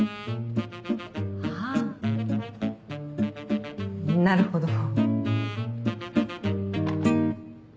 あぁなるほど。